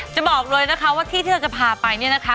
จะบอกเลยนะคะว่าที่เธอจะพาไปนี่นะคะ